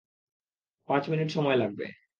পাঁচ মিনিট সময় লাগবে।